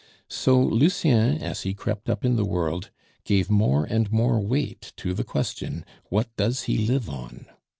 So Lucien, as he crept up in the world, gave more and more weight to the question, "What does he live on?"